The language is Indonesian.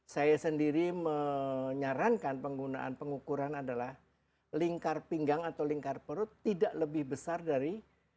saya sendiri menyarankan penggunaan pengukuran adalah lingkar pinggang atau lingkar perut tidak lebih besar dari